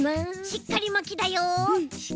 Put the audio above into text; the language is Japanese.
しっかりまきだよ。